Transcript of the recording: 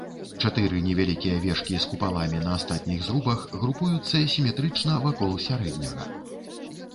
Чатыры невялікія вежкі з купаламі на астатніх зрубах групуюцца сіметрычна вакол сярэдняга.